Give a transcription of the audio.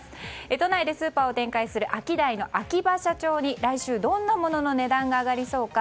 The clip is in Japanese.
都内でスーパーを展開するアキダイの秋葉社長に来週、どんなものの値段が上がりそうか。